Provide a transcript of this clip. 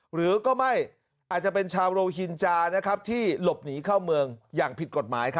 หรือไม่อาจจะเป็นชาวโรฮินจาที่หลบหนีเข้าเมืองอย่างผิดกฎหมาย